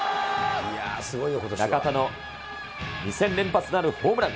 中田の２戦連発となるホームラン。